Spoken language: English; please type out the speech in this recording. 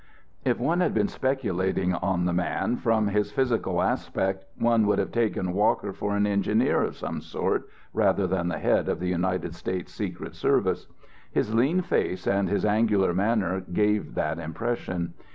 If one had been speculating on the man, from his physical aspect one would have taken Walker for an engineer of some sort, rather than the head of the United States Secret Service. His lean face and his angular manner gave that impression.